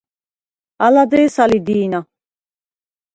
ალა დე̄სა ლი დი̄ნა.